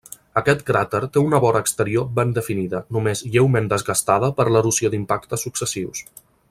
Aquest cràter té una vora exterior ben definida, només lleument desgastada per l'erosió d'impactes successius.